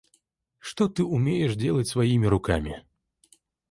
Что ты умеешь делать своими руками?